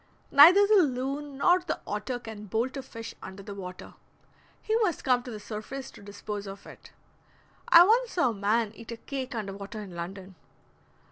Neither the loon nor the otter can bolt a fish under the water; he must come to the surface to dispose of it. (I once saw a man eat a cake under water in London.)